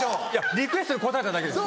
リクエストに応えただけです。